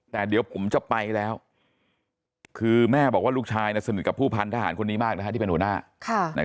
แต่เดี๋ยวผมจะไปแล้วคือแม่บอกว่าลูกชายสนิทกับผู้พันธหารคนนี้มากที่เป็นหัวหน้า